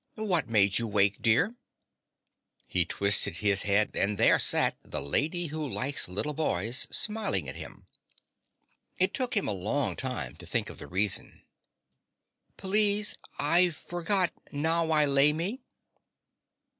"What made you wake, dear?" He twisted his head and there sat the Lady Who Likes Little Boys, smiling at him. It took him a long time to think of the reason. "Please, I forgot 'Now I lay me'."